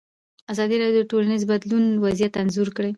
ازادي راډیو د ټولنیز بدلون وضعیت انځور کړی.